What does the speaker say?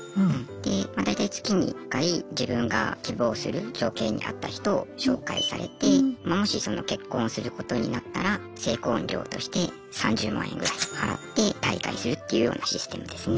まあ大体月に１回自分が希望する条件に合った人を紹介されてまもし結婚することになったら成婚料として３０万円ぐらい払って退会するっていうようなシステムですね。